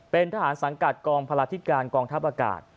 เป็นทหารสังกัดกองพลาธิการกองทัพอากาศ